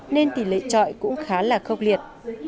nên tỷ lệ chọi cũng khá là khốc liệt